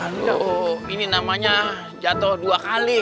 oh ini namanya jatuh dua kali